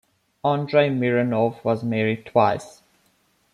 Andrei Mironov was married twice.